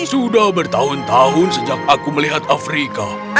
sudah bertahun tahun sejak aku melihat afrika